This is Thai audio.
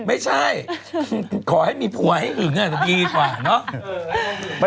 ไม่ใช่ขอให้มีผัวให้หึงอาจจะดีกว่าเนอะ